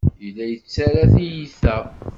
Yella yettarra tiyita.